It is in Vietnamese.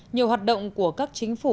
nhiều hoạt động của các chính phủ